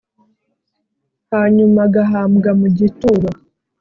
Hanyum' agahambwa mu gituro!